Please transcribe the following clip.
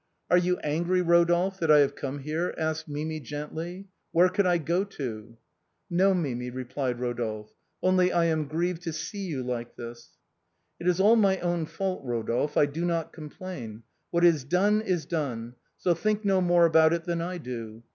"Are you angry, Eodolphe, that I have come here?" asked Mimi gently. " Where could I go to ?"" No, Mimi," replied Rodolphe, " only I am grieved to see you like this." " It is all my own fault, Rodolphe, I do not complain, what is done, is done, so think no more about it than I do.